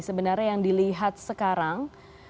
sebenarnya yang dilihat sekarang